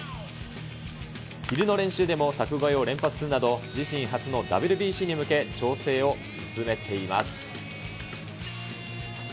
昼の練習でも柵越えを連発するなど、自身初のＷＢＣに向け、調整を進めています。